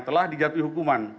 terima kasih pak